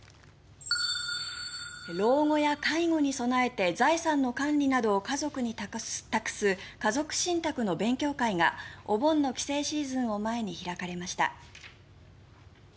老後や介護に備えて財産の管理などを家族に託す家族信託の勉強会がお盆の帰省シーズンを前に開かれました。